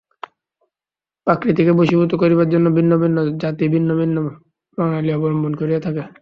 প্রকৃতিকে বশীভূত করিবার জন্য ভিন্ন ভিন্ন জাতি ভিন্ন ভিন্ন প্রণালী অবলম্বন করিয়া থাকে।